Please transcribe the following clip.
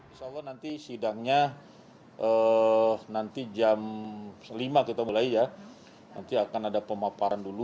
insya allah nanti sidangnya nanti jam lima kita mulai ya nanti akan ada pemaparan dulu